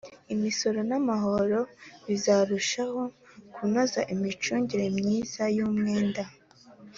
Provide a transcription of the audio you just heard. imisoro n'amahoro bizarushaho kunoza imicungire myiza y'umwenda.